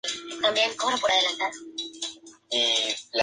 Tanto su madre como su padre provenían de familias de larga tradición militar.